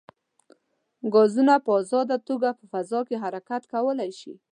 ګازونه په ازاده توګه په فضا کې حرکت کولی شي.